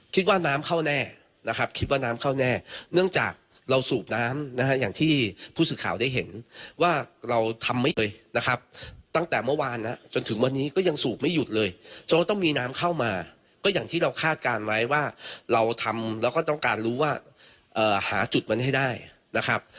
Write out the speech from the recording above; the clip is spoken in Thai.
ก็ไม่ใช่ว่าเราทำแล้วก็ต้องการรู้ว่าหาจุดมันให้ได้นะครับ